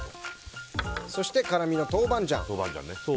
そして辛みの豆板醤。